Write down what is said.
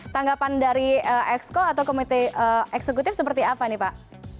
tanggapan dari exco atau komite eksekutif seperti apa nih pak